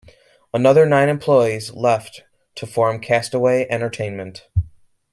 Another nine employees left to form Castaway Entertainment.